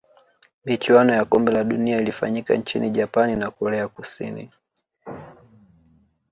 michuano ya kombe la dunia ilifanyika nchini japan na korea kusini